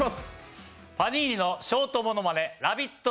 パニーニのショートものまね「ラヴィット！」